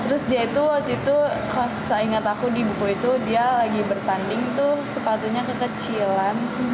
terus dia itu waktu itu seingat aku di buku itu dia lagi bertanding tuh sepatunya kekecilan